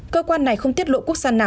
cơ quan này không tiết lộ quốc gia nào